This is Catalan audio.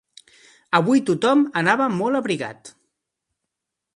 Avui tothom anava molt abrigat.